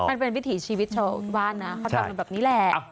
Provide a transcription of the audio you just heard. มันเป็นวิถีชีวิตโชว์บ้านนะเขาทำมันแบบนี้แหละ